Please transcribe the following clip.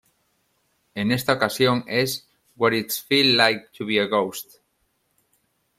En esta ocasión es "What's It Feel Like To Be A Ghost?".